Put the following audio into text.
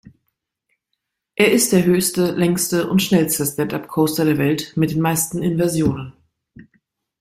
Er ist der höchste, längste und schnellste Stand-Up-Coaster der Welt mit den meisten Inversionen.